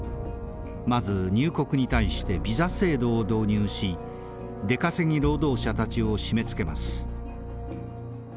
まず入国に対してビザ制度を導入し出稼ぎ労働者たちを締めつけます。